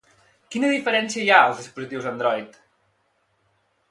Quina diferència hi ha als dispositius Android?